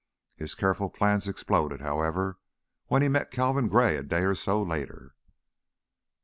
His careful plans exploded, however, when he met Calvin Gray a day or so later.